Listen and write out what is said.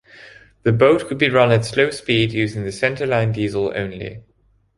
The boat could be run at slow speed using the centreline diesel only.